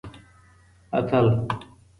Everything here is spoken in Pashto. اتل